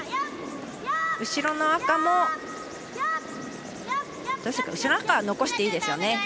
後ろの赤は残していいですよね。